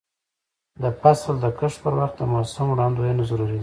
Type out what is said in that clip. د فصل د کښت پر وخت د موسم وړاندوینه ضروري ده.